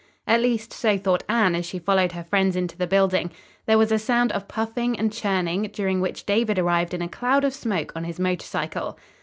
At least, so thought Anne as she followed her friends into the building. There was a sound of puffing and churning, during which David arrived in a cloud of smoke on his motor cycle.